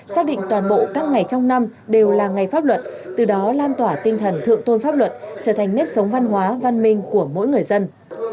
xác định toàn bộ các ngày trong năm đều là ngày pháp luật từ đó lan tỏa tinh thần thượng tôn pháp luật trở thành nếp sống văn hóa văn minh của mỗi người dân